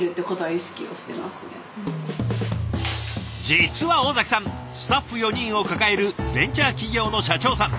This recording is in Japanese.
実は尾崎さんスタッフ４人を抱えるベンチャー企業の社長さん。